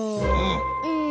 うん。